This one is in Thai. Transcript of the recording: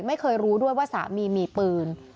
ไม่เคยรู้ด้วยว่าสามีมีปืน